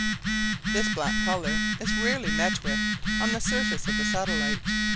This black color is rarely met with on the surface of the satellite.